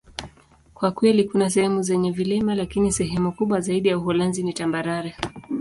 Kwa kweli, kuna sehemu zenye vilima, lakini sehemu kubwa zaidi ya Uholanzi ni tambarare.